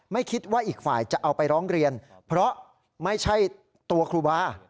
ไม่คิดว่าอีกฝ่ายจะเอาไปร้องเรียนเพราะไม่ใช่ตัวครูบา